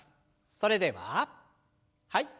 それでははい。